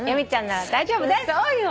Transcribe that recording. そうよ！